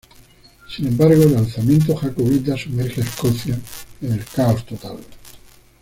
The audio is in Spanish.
Sin embargo, el alzamiento jacobita sumerge a Escocia en el caos total.